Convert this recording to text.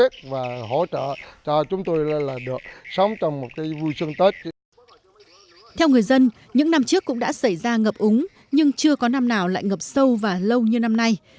theo người dân những năm trước cũng đã xảy ra ngập úng nhưng chưa có năm nào lại ngập sâu và lâu như năm nay